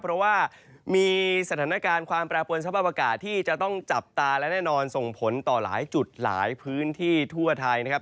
เพราะว่ามีสถานการณ์ความแปรปวนสภาพอากาศที่จะต้องจับตาและแน่นอนส่งผลต่อหลายจุดหลายพื้นที่ทั่วไทยนะครับ